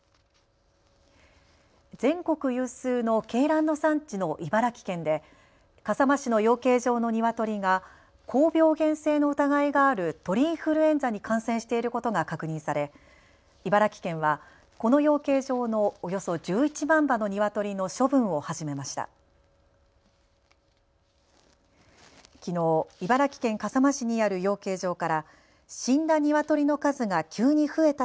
全国有数の鶏卵の産地の茨城県で笠間市の養鶏場のニワトリが高病原性の疑いがある鳥インフルエンザに感染していることが確認され茨城県はこの養鶏場のおよそ１１万羽のニワトリの処分を始めました。